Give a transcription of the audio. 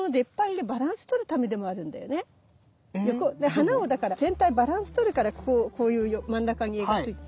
花をだから全体バランス取るからこういう真ん中に柄がついてる。